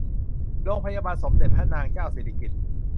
โรงพยาบาลสมเด็จพระนางเจ้าสิริกิติ์